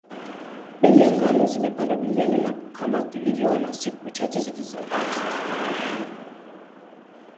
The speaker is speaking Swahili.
bei za ngano zimepanda duniani na kama tulivyoona siku chache zilizopita